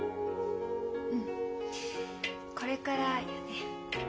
うんこれからよね。